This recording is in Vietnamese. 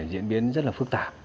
diễn biến rất phức tạp